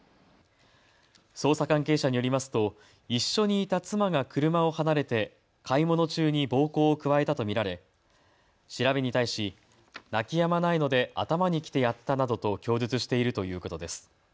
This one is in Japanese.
捜査関係者によりますと一緒にいた妻が車を離れて買い物中に暴行を加えたと見られ調べに対し、泣きやまないので頭にきてやったなどと供述しているということです。